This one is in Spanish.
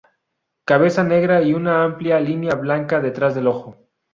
Cabeza negra y una amplia línea blanca detrás del ojo.